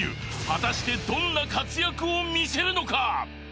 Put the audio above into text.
果たしてどんな活躍をみせるのか？